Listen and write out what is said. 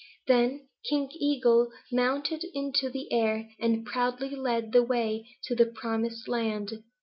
"Then King Eagle mounted into the air and proudly led the way to the promised land.